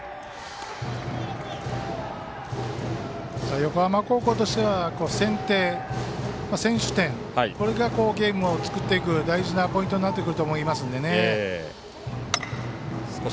横浜高校としては先取点これがゲームを作っていく大事なポイントになると思いますんでね。